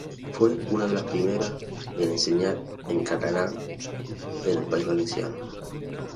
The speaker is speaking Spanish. Fue una de las primeras en enseñar en catalán en el País Valenciano.